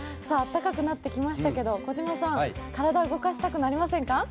さあ、暖かくなってきましたけれども、児嶋さん、体動かしたくなりませんか？